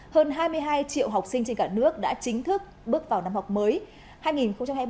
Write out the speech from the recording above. hơn hai mươi hai triệu học sinh trên cả nước đã chính thức bước vào năm học mới hai nghìn hai mươi hai nghìn hai mươi một